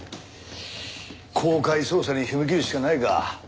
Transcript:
公開捜査に踏み切るしかないか。